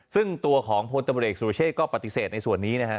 ซึ่งตัวของพศก็ปฏิเสธในส่วนนี้นะฮะ